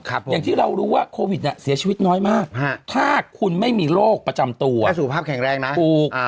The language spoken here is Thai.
อย่างที่เรารู้ว่าโควิดเนี่ยเสียชีวิตน้อยมากถ้าคุณไม่มีโรคประจำตัวสุขภาพแข็งแรงนะถูก